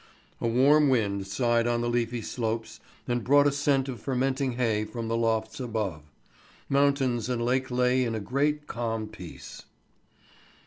A warm wind sighed on the leafy slopes, and brought a scent of fermenting hay from the lofts about. Mountain and lake lay in a great calm peace.